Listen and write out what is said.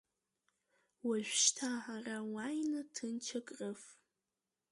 Уажәшьҭа ара уааины ҭынч акрыф!